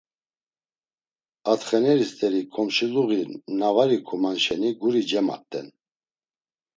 Atxeneri st̆eri ǩomşiluği na var ikuman şeni, guri cemat̆en!